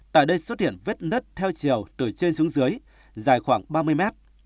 tại đây xuất hiện vết nứt theo chiều từ trên xuống dưới dài khoảng ba mươi mét